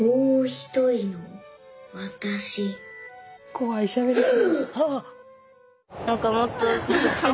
怖いしゃべり方。